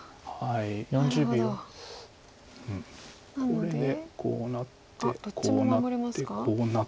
これでこうなってこうなってこうなって。